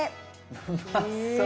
うまそう。